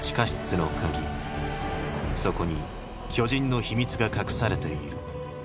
そこに巨人の秘密が隠されている。